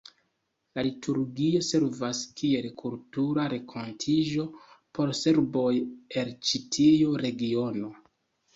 La liturgio servas kiel kultura renkontiĝo por serboj el ĉi tiu regiono.